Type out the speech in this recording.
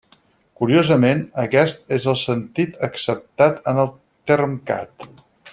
Curiosament, aquest és el sentit acceptat en el Termcat.